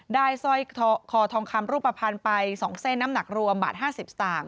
สร้อยคอทองคำรูปภัณฑ์ไป๒เส้นน้ำหนักรวมบาท๕๐สตางค